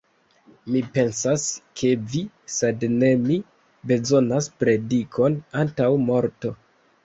Mi pensas, ke vi, sed ne mi, bezonas predikon antaŭ morto.